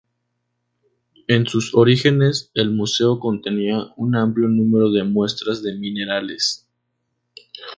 En sus orígenes, el museo contenía un amplio número de muestras de minerales.